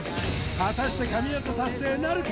果たして神業達成なるか？